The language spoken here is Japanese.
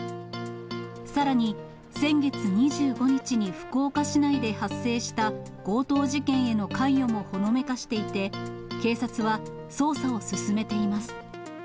さらに、先月２５日に福岡市内で発生した強盗事件への関与もほのめかしていて、警察は捜査を進めています。